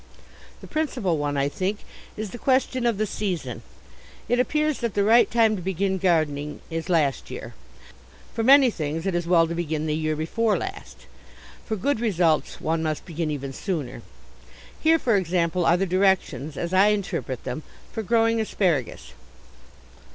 The principal one, I think, is the question of the season. It appears that the right time to begin gardening is last year. For many things it is well to begin the year before last. For good results one must begin even sooner. Here, for example, are the directions, as I interpret them, for growing asparagus.